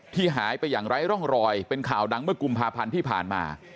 หายไปอย่างไร้ร่องรอยเป็นข่าวดังเมื่อกุมภาพันธ์ที่ผ่านมา